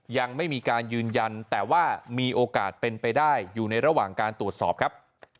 ยังไม่มีการยืนยันแต่ว่ามีโอกาสเป็นไปได้อยู่ในระหว่างการตรวจสอบครับ